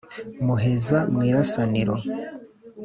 muheza mu irasaniro